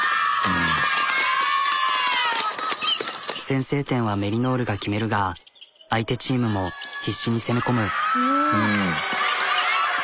先制点はメリノールが決めるが相手チームも必死に攻め込む。